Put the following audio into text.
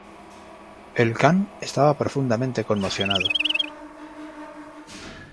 El Kan estaba profundamente conmocionado.